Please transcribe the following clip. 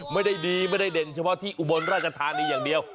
ไม่ได้ดีไม่ได้เด่นเฉพาะที่อุบลราชธานีอย่างเดียว